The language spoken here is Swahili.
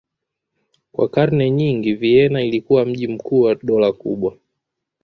Kwa karne nyingi Vienna ilikuwa mji mkuu wa dola kubwa.